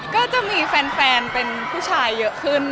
ก็จะมีแฟนเป็นผู้ชายเยอะขึ้น